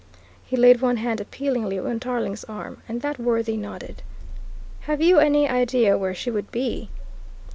He laid one hand appealingly on Tarling's arm, and that worthy nodded. "Have you any idea where she would be?"